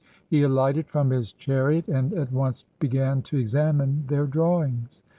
He alighted from his chariot, and at once began to examine their drawings.